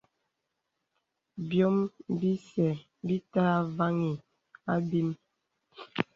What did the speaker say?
Bīòm bìsə bítà àvāŋhī àbīm.